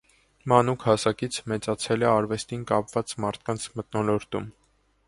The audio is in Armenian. Մանուկ հասակից մեծացել է արվեստին կապված մարդկանց մթնոլորտում։